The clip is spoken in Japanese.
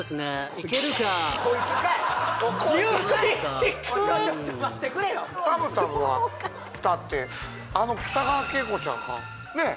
いけるかたむたむはだってあの北川景子ちゃんがねえ？